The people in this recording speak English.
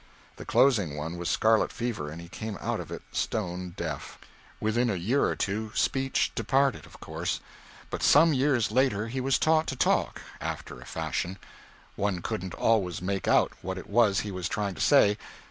The closing one was scarlet fever, and he came out of it stone deaf. Within a year or two speech departed, of course. But some years later he was taught to talk, after a fashion one couldn't always make out what it was he was trying to say.